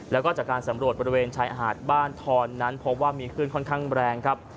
แล้วก็จากการสำรวจบริเวณชายหาดบ้านทอนนั้นพบว่ามีคลื่นค่อนข้างแรงครับ